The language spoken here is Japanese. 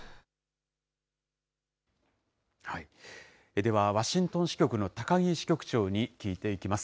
では、ワシントン支局の高木支局長に聞いていきます。